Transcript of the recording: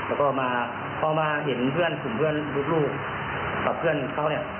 แล้วก็มาเขามาเห็นคุณเพื่อนรูปลูกกับเพื่อนเขาเนี่ย